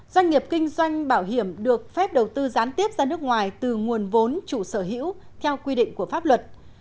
doanh nghiệp kinh doanh bảo hiểm được phép đầu tư gián tiếp ra nước ngoài từ nguồn vốn chủ sở hữu theo quy định của pháp luật